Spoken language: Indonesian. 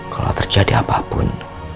kalau terjadi apapun